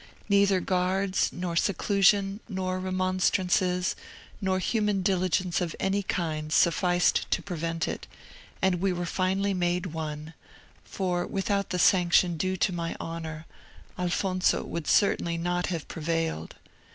Neither guards, nor seclusion, nor remonstrances, nor human diligence of any kind, sufficed to prevent it, and we were finally made one; for without the sanction due to my honour, Alfonso would certainly not have prevailed.